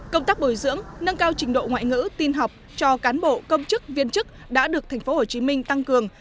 công tác bồi dưỡng nâng cao trình độ ngoại ngữ tin học cho cán bộ công chức viên chức đã được thành phố hồ chí minh tăng cường